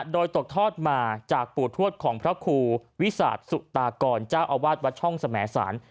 โดยตกทอดมาจากปู่ทวดของพระครูวิสาทสุตากรเจ้าอาวาสวัดช่องสมสาร